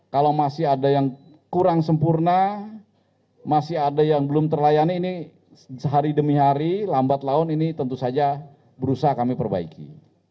kalau masih ada yang kurang sempurna masih ada yang belum terlayani ini sehari demi hari lambat laun ini tentu saja berusaha kami perbaiki